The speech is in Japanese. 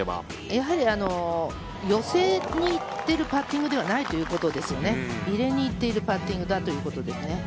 やはり寄せにいっているパッティングではないということですね入れにいっているパッティングだということですね。